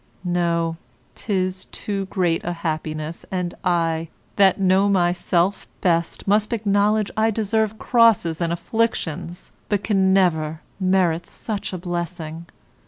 No; 'tis too great a happiness, and I, that know myself best, must acknowledge I deserve crosses and afflictions, but can never merit such a blessing.